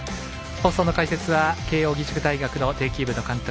放送の解説は慶応義塾大学庭球部の監督